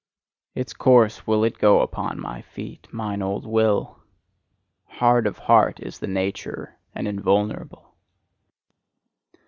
Its course will it go upon my feet, mine old Will; hard of heart is its nature and invulnerable.